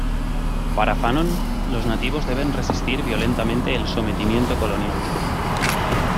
Para Fanon, los nativos deben resistir violentamente el sometimiento colonial.